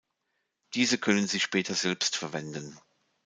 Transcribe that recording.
Diese können sie später selbst verwenden.